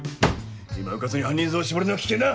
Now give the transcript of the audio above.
今うかつに犯人像を絞るのは危険だ！